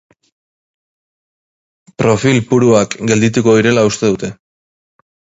Profil puruak geldituko direla uste dute.